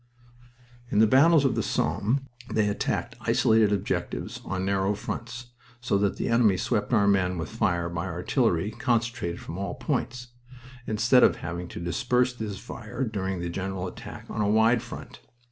In the battles of the Somme they attacked isolated objectives on narrow fronts, so that the enemy swept our men with fire by artillery concentrated from all points, instead of having to disperse his fire during a general attack on a wide front.